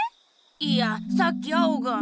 いやさっきアオが。